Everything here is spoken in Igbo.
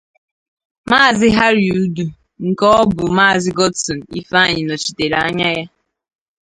Maazị Harry Uduh nke ọ bụ Maazị Godson Ifeanyi nọchitere anya ya